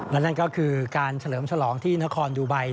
และนั่นก็คือการเฉลิมฉลองที่นครดูไบ